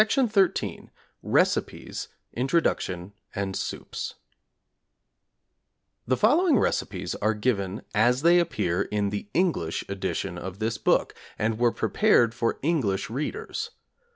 ] ONE HUNDRED RECIPES RECIPES The following recipes are given as they appear in the English edition of this book and were prepared for English readers.